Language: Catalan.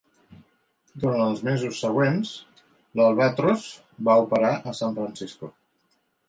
Durant els mesos següents, l'"Albatross" va operar a San Francisco.